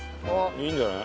いいんじゃない？